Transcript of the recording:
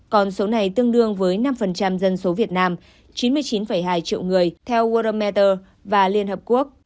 còn số này tương đương với năm dân số việt nam chín mươi chín hai triệu người theo worldmeter và liên hợp quốc